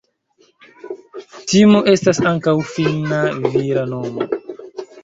Timo estas ankaŭ finna vira nomo.